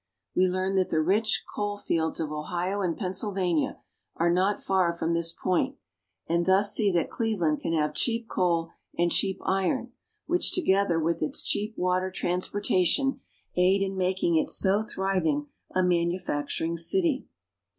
We learn that the rich coal fields of Ohio and Pennsylvania are not far from this point, and A Park Scene in Cleveland. thus see that Cleveland can have cheap coal and cheap iron, which, together with its cheap water transportation, aid in making it so thriving a manufacturing city.